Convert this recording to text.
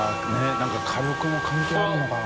燭火力も関係あるのかな？